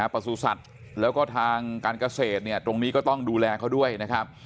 ประสุทธิ์แล้วก็ทางการเกษตรตรงนี้ก็ต้องดูแลเขาด้วยนะครับ